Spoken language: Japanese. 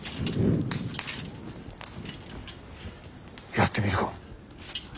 やってみるか。